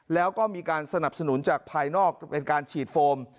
แล้วก็มีการสนับสนุนจากภายนอกเป็นการฉีดโฟม